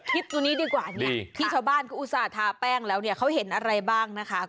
คิดตรงนี้ดีกว่าที่ชาวบ้านอุตส่าห์ทาแป้งแล้วเขาเห็นอะไรบ้างนะคะ